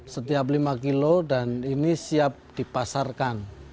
setiap lima kilo dan ini siap dipasarkan